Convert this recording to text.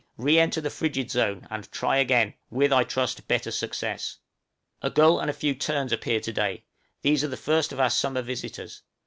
re enter the frigid zone, and "try again," with, I trust, better success. A gull and a few terns appeared to day; these are the first of our summer visitors.